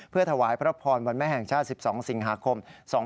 ถวายพระพรวันแม่แห่งชาติ๑๒สิงหาคม๒๕๖๒